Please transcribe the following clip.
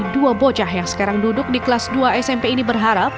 dua bocah yang sekarang duduk di kelas dua smp ini berharap